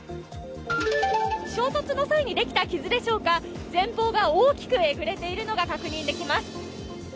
衝突の際にできた傷でしょうか、前方が大きくえぐれているのが確認できます。